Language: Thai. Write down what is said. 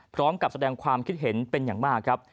พร้อมกับแสดงความคิดเห็นเป็นอย่างมากครับ